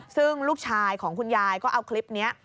ซึ่งลูกชายของคุณยายก็เอาคลิปนี้